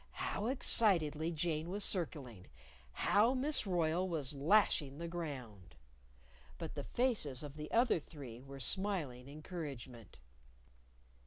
How excitedly Jane was circling! How Miss Royle was lashing the ground! But the faces of the other three were smiling encouragement.